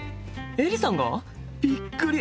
エリさんが！？びっくり！